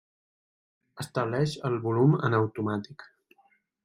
Estableix el volum en automàtic.